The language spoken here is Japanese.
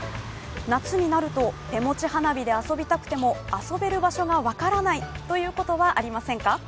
夏になると、手持ち花火で遊びたくても遊べる場所が分からないということはありませんか？